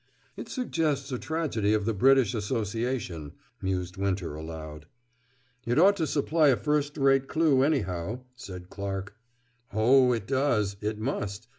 "It suggests a tragedy of the British Association," mused Winter aloud. "It ought to supply a first rate clew, anyhow," said Clarke. "Oh, it does; it must.